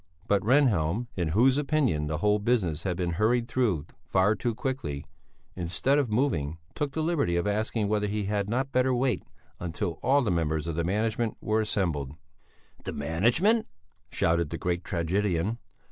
But Rehnhjelm in whose opinion the whole business had been hurried through far too quickly instead of moving, took the liberty of asking whether he had not better wait until all the members of the management were assembled. "The management?" shouted the great tragedian.